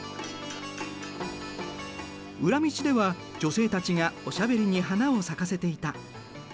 裏道では女性たちがおしゃべりに花を咲かせていた。